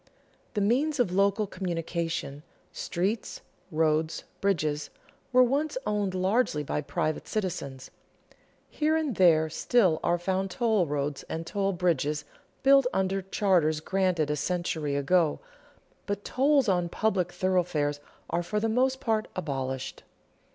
The means of local communication streets, roads, bridges were once owned largely by private citizens. Here and there still are found toll roads and toll bridges built under charters granted a century ago, but tolls on public thoroughfares are for the most part abolished.